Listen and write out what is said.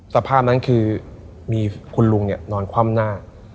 สภาพนั้นคือมีคุณลุงนอนคว่ำหน้า